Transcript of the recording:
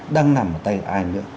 đang nằm ở tay ai nữa